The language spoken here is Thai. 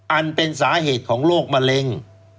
อันเป็นสาเหตุของโรคมะเร็ง